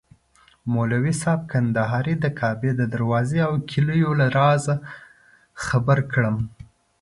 مولوي صاحب کندهاري د کعبې د دروازې او کیلیو له رازه خبر کړم.